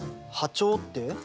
波長って？